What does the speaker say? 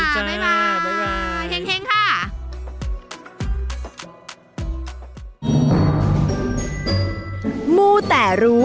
สวัสดีพี่ร้านค่ะ